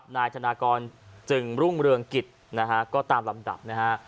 นายธนากรจึงรุ่งเรืองกิจก็ตามลำดับ